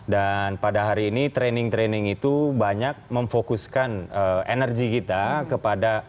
dan pada hari ini training training itu banyak memfokuskan energi kita kepada